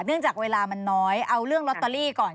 จากเวลามันน้อยเอาเรื่องลอตเตอรี่ก่อน